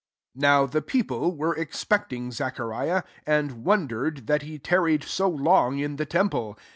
l3l ^fow the people were ex wing Zachariahf and wonder^ fthat he tarried so long in the temple.